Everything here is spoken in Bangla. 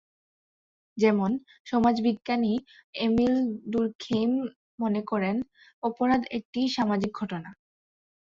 যেমন: সমাজবিজ্ঞানী এমিল ডুর্খেইম মনে করেন, অপরাধ একটি সামাজিক ঘটনা।